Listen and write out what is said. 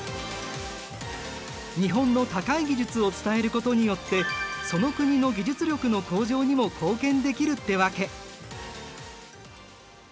日本の高い技術を伝えることによってその国の技術力の向上にも貢献できるってわけ。